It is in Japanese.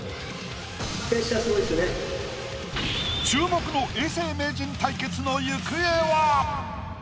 注目の永世名人対決の行方は？